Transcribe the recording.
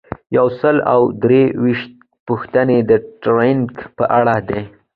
یو سل او درې دیرشمه پوښتنه د ټریننګ په اړه ده.